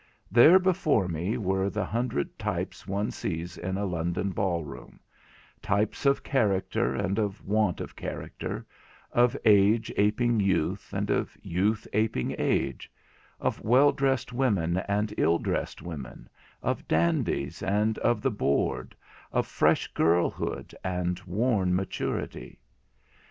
There before me were the hundred types one sees in a London ball room—types of character and of want of character, of age aping youth, and of youth aping age, of well dressed women and ill dressed women, of dandies and of the bored, of fresh girlhood and worn maturity.